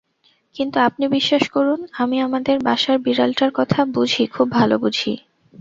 কিন্তু আপনি বিশ্বাস করুন-আমি আমাদের বাসার বিড়ালটার কথা বুঝি খুব ভালো বুঝি।